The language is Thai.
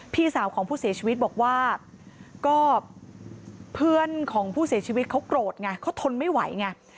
พี่สาวของผู้เสียชีวิตบอกว่าก็เพื่อนของผู้เสียชีวิตเขาโกรธไงเขาทนไม่ไหวไง